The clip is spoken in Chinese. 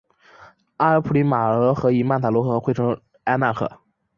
阿普里马克河与曼塔罗河汇流成为埃纳河。